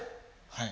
はい。